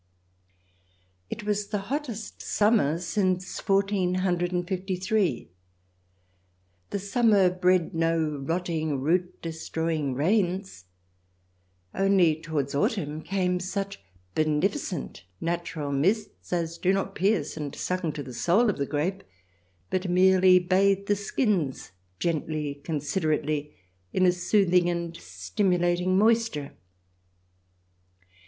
It was the hottest summer since fourteen hundred and fifty three. The summer bred no rotting, root destroying rains ; only towards autumn came such beneficent natural mists as do not pierce and suck into the soul of the grape, but merely bathe the skins gently, considerately, in a soothing and stimulating moisture.